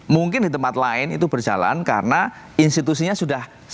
mungkin di tempat lain itu berjalan karena institusinya sudah